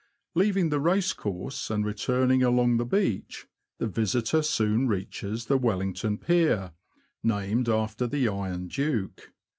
Leaving the racecourse, and returning along the beach, the visitor soon reaches the Wel lington Pier, named after the Iron Duke.